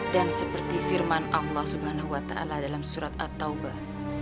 dan seperti firman allah swt dalam surat at taubah